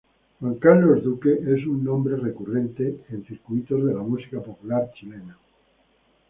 Juan Carlos Duque es un nombre recurrente en circuitos de la música popular chilena.